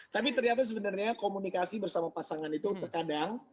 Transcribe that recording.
tapi ternyata sebenarnya komunikasi bersama pasangan itu terkadang